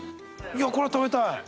いやこれ食べたい。